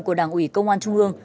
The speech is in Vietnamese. của đảng ủy công an trung ương